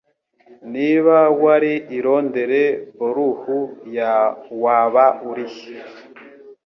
Niba Wari I Londere Borough ya Waba urihe